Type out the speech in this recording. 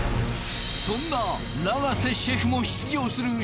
そんな長瀬シェフも出場するＣＨＥＦ